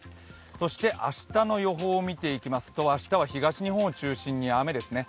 そして明日の予報を見ていきますと、明日は東日本を中心に雨です。